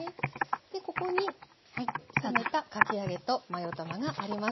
でここに冷めたかき揚げとマヨ卵があります。